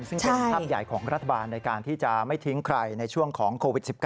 ซึ่งเป็นภาพใหญ่ของรัฐบาลในการที่จะไม่ทิ้งใครในช่วงของโควิด๑๙